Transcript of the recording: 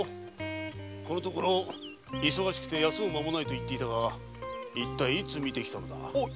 このところ忙しくて休む間もないと言っていたが一体いつ見てきたのだ？